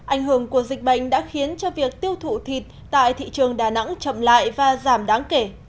ảnh hưởng của dịch bệnh đã khiến cho việc tiêu thụ thịt tại thị trường đà nẵng chậm lại và giảm đáng kể